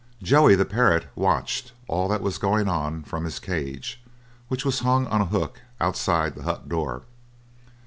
Joey, the parrot, watched all that was going on from his cage, which was hung on a hook outside the hut door.